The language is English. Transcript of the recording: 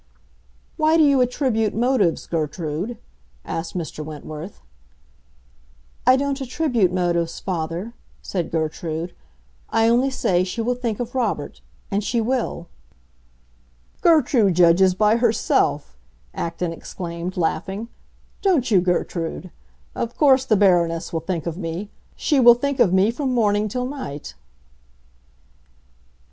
"Why do you attribute motives, Gertrude?" asked Mr. Wentworth. "I don't attribute motives, father," said Gertrude. "I only say she will think of Robert; and she will!" "Gertrude judges by herself!" Acton exclaimed, laughing. "Don't you, Gertrude? Of course the Baroness will think of me. She will think of me from morning till night."